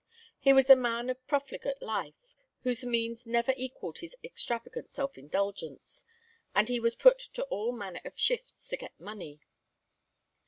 He was a man of profligate life, whose means never equalled his extravagant self indulgence, and he was put to all manner of shifts to get money.